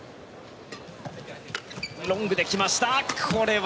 ロングで来ました！